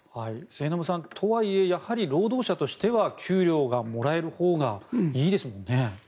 末延さん、とはいえやはり労働者としては給料がもらえるほうがいいですもんね。